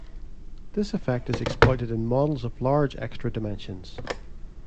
This effect is exploited in models of large extra dimensions.